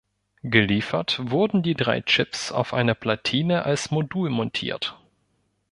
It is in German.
Geliefert wurden die drei Chips auf einer Platine als Modul montiert.